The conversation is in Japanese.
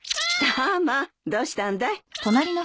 タマどうしたんだい？